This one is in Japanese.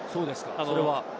それは？